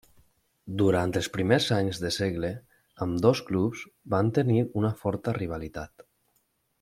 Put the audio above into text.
Durant els primers anys de segle ambdós clubs van tenir una forta rivalitat.